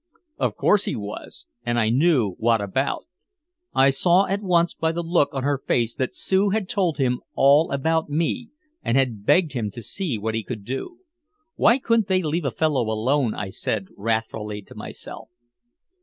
Of course he was, and I knew what about! I saw at once by the look on her face that Sue had told him all about me and had begged him to see what he could do. Why couldn't they leave a fellow alone, I said wrathfully to myself.